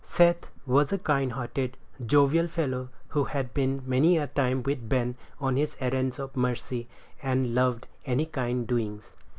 Seth was a kind hearted, jovial fellow, who had been many a time with Ben on his errands of mercy, and loved any kind doings.